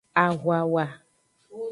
Ahwawa.